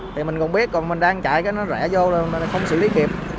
thì mình còn biết còn mình đang chạy nó rẽ vô là không xử lý kịp